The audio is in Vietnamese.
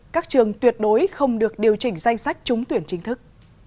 các trường tuyệt đối không được điều chỉnh danh sách trúng tuyển chính thức